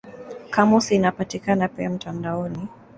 Kamusi inapatikana pia mtandaoni.